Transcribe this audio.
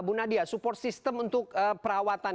bu nadia support system untuk perawatan